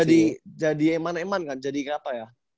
dia kan jadi eman eman kan jadi apa ya